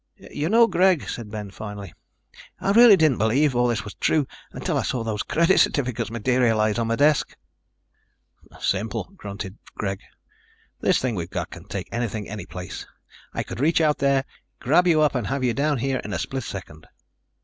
"You know, Greg," said Ben finally, "I really didn't believe all this was true until I saw those credit certificates materialize on my desk." "Simple," grunted Greg. "This thing we've got can take anything any place. I could reach out there, grab you up and have you down here in a split second."